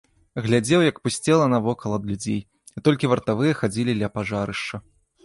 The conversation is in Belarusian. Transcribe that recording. Глядзеў, як пусцела навокал ад людзей, і толькі вартавыя хадзілі ля пажарышча.